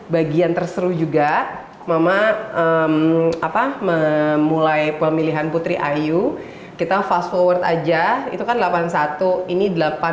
bagian terseru juga mama apa memulai pemilihan putri ayu kita fast forward aja itu kan delapan puluh satu ini delapan